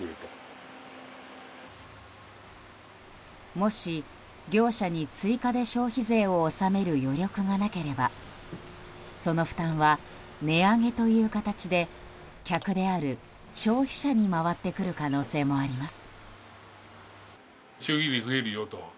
もし業者に追加で消費税を納める余力がなければその負担は値上げという形で客である消費者に回ってくる可能性もあります。